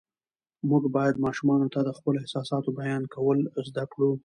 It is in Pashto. موږ باید ماشومانو ته د خپلو احساساتو بیان کول زده کړو